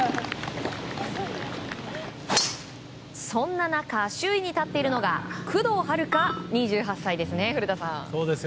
そんな中首位に立っているのが工藤遥加、２８歳ですね古田さん。